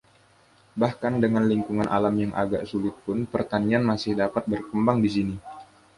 Bahkan dengan lingkungan alam yang agak sulit pun, pertanian masih dapat berkembang di sini.